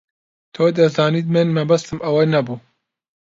تۆ دەزانیت من مەبەستم ئەوە نەبوو.